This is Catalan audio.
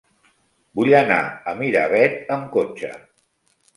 Vull anar a Miravet amb cotxe.